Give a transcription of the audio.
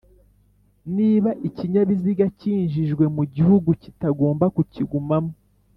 Niba ikinyabiziga cyinjijwe mu gihugu kitagomba kukigumamo